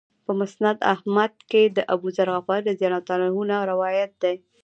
په مسند احمد کې د أبوذر غفاري رضی الله عنه نه روایت دی.